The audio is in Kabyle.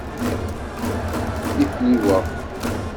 Ifliweɣ.